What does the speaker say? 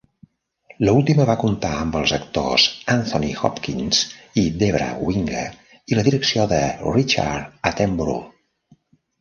L"última va comptar amb els actors Anthony Hopkins i Debra Winger i la direcció de Richard Attenborough.